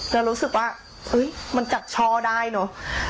เรารู้สึกว่ามันจัดช่อได้เนอะ